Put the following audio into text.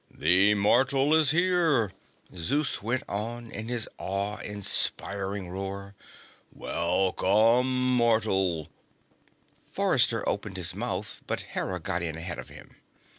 "The mortal is here," Zeus went on in his awe inspiring roar. "Welcome, Mortal!" Forrester opened his mouth, but Hera got in ahead of him.